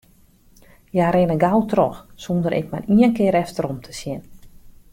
Hja rinne gau troch, sonder ek mar ien kear efterom te sjen.